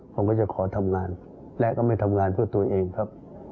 ผมก็จะขอทำงานและก็ไม่ทำงานเพื่อตัวเองครับ